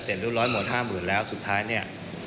เสร็จรู้ร้อยหมด๕๐๐๐๐บาทแล้วสุดท้ายนี่